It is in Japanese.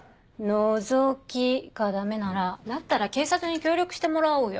「覗き」がダメならだったら警察に協力してもらおうよ。